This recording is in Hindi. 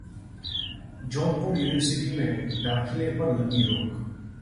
जोधपुर यूनिवर्सिटी में दाखिले पर लगी रोक